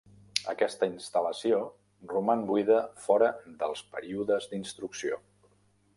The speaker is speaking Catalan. Aquesta instal·lació roman buida fora dels períodes d’instrucció.